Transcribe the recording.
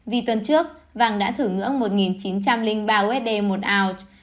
vì tuần trước vàng đã thử ngưỡng một chín trăm linh ba usd một ounce